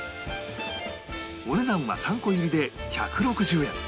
お値段は３個入りで１６０円